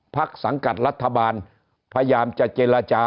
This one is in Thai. สังกัดรัฐบาลพยายามจะเจรจา